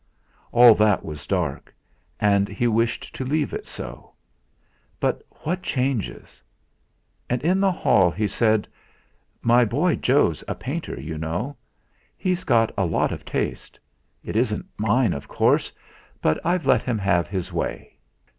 All that was dark, and he wished to leave it so. But what changes! And in the hall he said: "My boy Jo's a painter, you know. He's got a lot of taste. It isn't mine, of course, but I've let him have his way."